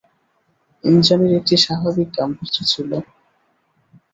ইন্দ্রাণীর একটি স্বাভাবিক গাম্ভীর্য ছিল।